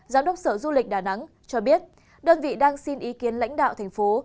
giám đốc sở du lịch đà nẵng cho biết đơn vị đang xin ý kiến lãnh đạo thành phố